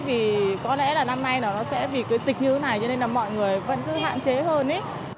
thì có lẽ là năm nay nó sẽ vì cái dịch như thế này cho nên là mọi người vẫn cứ hạn chế hơn